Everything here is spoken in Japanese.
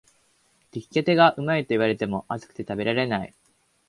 出来たてがうまいと言われても、熱くて食べられない